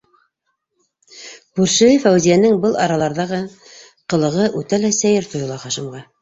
Күршеһе Фәүзиәнең был араларҙағы ҡылығы үтә лә сәйер тойола Хашимға.